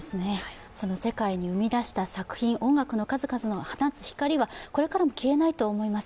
世界に生み出した作品、音楽の数々が放つ光は、これからも消えないと思います。